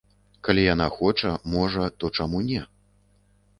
Калі яна хоча, можа, то чаму не.